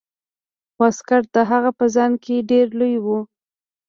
واسکټ د هغه په ځان کې ډیر لوی و.